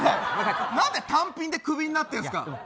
なんで単品でクビになってんですか。